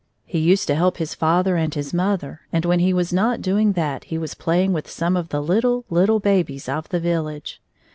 He used to help his father and his mother, and when he was not doing that he was pla5dng with some of the little, little habies of the village.